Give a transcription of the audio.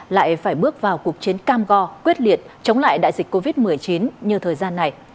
lại phải bước vào cuộc chiến cam go quyết liệt chống lại đại dịch covid một mươi chín như thời gian này